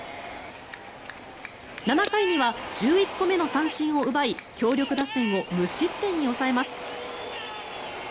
７回には１１個目の三振を奪い強力打線を無失点に抑えます。